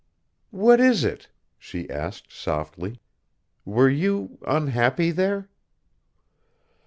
"What is it?" she asked softly. "Were you unhappy there?"